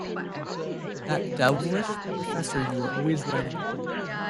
That devilish Professor you were always writing about.